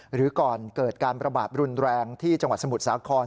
หรือก่อนเกิดการประบาดรุนแรงที่จังหวัดสมุทรสาคร